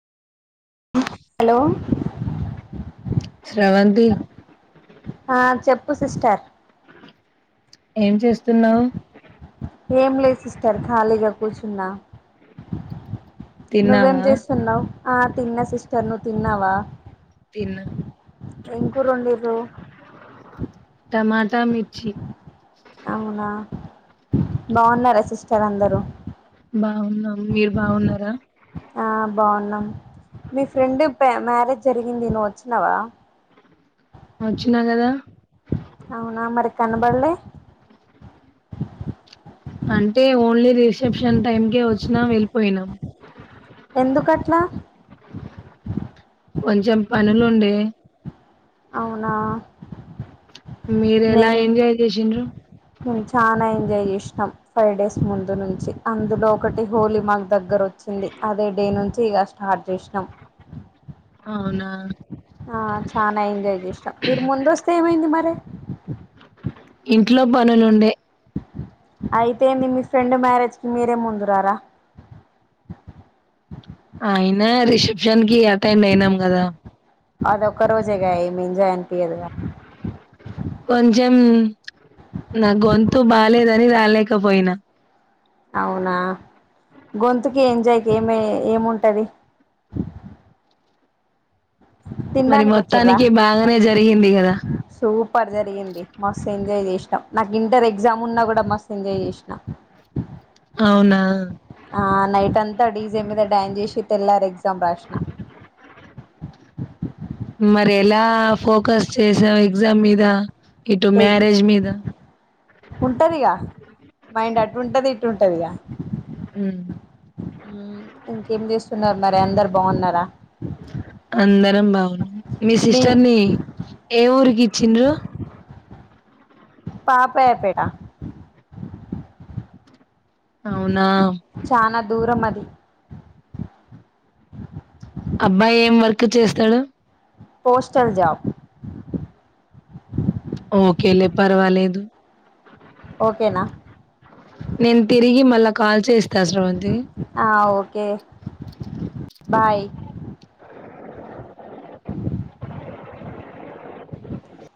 Hello Sravanthi ఆ చెప్పు sister ఏం చేస్తున్నావు, ఏం లేదు సిస్టర్ ఖాళీగా కూర్చున్నా, నువ్వేం తిన్నావా చేస్తున్నావు ఆ తిన్నా సిస్టర్ నువ్వు తిన్నావా, తిన్న ఏం కూర వండిర్రు టమాట టమాటా మిర్చి అవునా బాగున్నారా సిస్టర్ అందరూ బాగున్నాం మీరు బాగున్నారా, ఆ బాగున్నాం మీ ఫ్రెండ్ మ్యారేజ్ జరిగింది నువ్వు వచ్చినవా వచ్చినా కదా అవునా మరికన్న పళ్లే అంటే ఓన్లీ రిసెప్షన్ టైంకే వచ్చిన్నం వెళ్ళిపోయినాం, ఎందుకట్లా కొంచెం పనులుండె అవునా మీరు ఎలా మేం ఎంజాయ్ చేసిండ్రు మేము చాలా ఎంజాయ్ చేసినాం ఫైవ్ డేస్ ముందు నుంచి అందులో ఒకటి హోలీ మాకు దగ్గర, వచ్చింది అదే డే నుంచి ఇక స్టార్ట్ చేసినాం అవునా చాలా ఎంజాయ్ చేస్తాం మీరు ముంద వస్తే ఏమైంది మరి ఇంట్లో పనులు ఉండే అయితే మీ ఫ్రెండ్ మ్యారేజ్ కి మీరే ముందురారా అయినా రిసెప్షన్ కి అటెండ్ అయినాం కదా అది ఒక్క రోజేగా అయింది ఎంజాయ్ అనిపయదుగా, కొంచెం నా గొంతు బాలేదని రాలేకపోయినా అవునా గొంతుకి ఎంజాయ్కి ఏమ ఏముంటది. మరి తినడానికి వచ్చ్రా మొత్తానికి బాగానే జరిగింది కదా సూపర్ జరిగింది మస్తు ఎంజాయ్ చే ఇ నాకు ఇంటర్ ఎగ్జామ్ ఉన్నా కూడా మస్త్ ఎంజాయ్ చేసినా అవునా ఆ నైట్ అంతా డీజే మీద డ్యాన్ చేసి తెల్లారు ఎగ్జామ్ రాసిన మరి ఎలా ఫోకస్ చేసాం ఎగ్జామ్ మీద ఇటు మ్యారేజ్ మీద ఉంటదిగా మైండ్ అటు ఉంటది ఇటు ఉంటదిగా హ్మ్ ఇంకేం చేస్తున్నారు మరి అందరు బాగున్నారా అందరం బావున్నం మీ సిస్టర్ ని ఏ ఊరికి ఇచ్చిండ్రు పాపయాపేట అవునా దూరమది అబ్బాయి ఏం వర్క్ చేస్తాడు పోస్టల్ జాబ్ ఓకేలే పర్వాలేదు ఓకేనా నేను తిరిగి మళ్ళా కాల్ చేస్తాస్ర అంది ఓకే అ బాయ్ [inaudible]